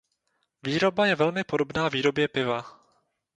Výroba je velmi podobná výrobě piva.